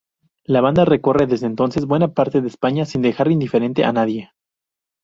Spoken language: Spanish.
La banda recorre desde entonces buena parte de España sin dejar indiferente a nadie.